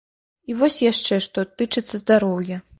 І вось яшчэ што тычыцца здароўя.